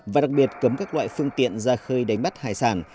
và đặc biệt cấm các loại phương tiện ra khơi đánh bắt hải sản